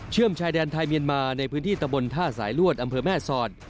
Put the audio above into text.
ชายแดนไทยเมียนมาในพื้นที่ตะบนท่าสายลวดอำเภอแม่สอด